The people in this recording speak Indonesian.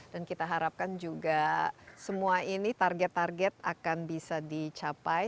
dan kita harapkan juga semua ini target target akan bisa dicapai